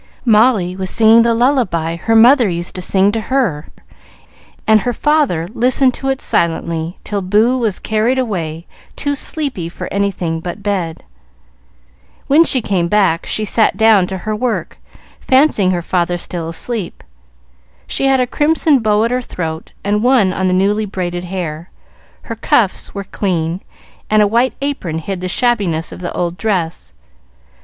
Molly was singing the lullaby her mother used to sing to her, and her father listened to it silently till Boo was carried away too sleepy for anything but bed. When she came back she sat down to her work, fancying her father still asleep. She had a crimson bow at her throat and one on the newly braided hair, her cuffs were clean, and a white apron hid the shabbiness of the old dress.